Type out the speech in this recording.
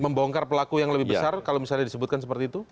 membongkar pelaku yang lebih besar kalau misalnya disebutkan seperti itu